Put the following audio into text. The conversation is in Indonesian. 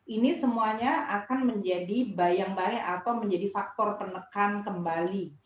ini semuanya akan menjadi bayang bayang atau menjadi faktor penekan kembali